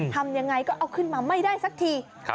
ทำยังไงก็เอาขึ้นมาไม่ได้สักที